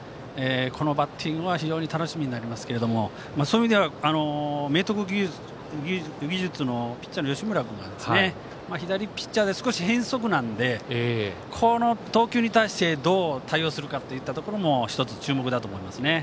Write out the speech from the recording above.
このバッティングは非常に楽しみになりますけれどもそういう意味では、明徳義塾のピッチャーの吉村君は左ピッチャーで少し変則なのでこの投球に対してどう対応するかというところも１つ、注目だと思いますね。